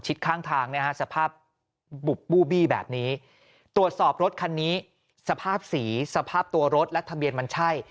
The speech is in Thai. ข้างทางนะฮะสภาพบุบบู้บี้แบบนี้ตรวจสอบรถคันนี้สภาพสีสภาพตัวรถและทะเบียนมันใช่